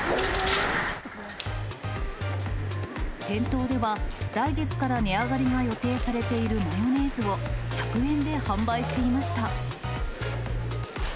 店頭では来月から値上がりが予定されているマヨネーズを、１００円で販売していました。